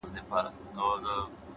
صبر د موخو ساتونکی دی,